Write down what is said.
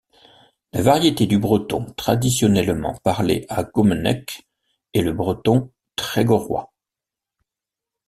La variété du breton traditionnellement parlée à Gommenec'h est le breton trégorrois.